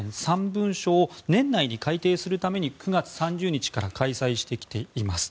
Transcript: ３文書を年内に改定するために９月３０日から開催してきています。